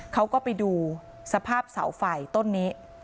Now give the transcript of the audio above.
เขาก็ไปดูสภาพเสาไฟต้นนี้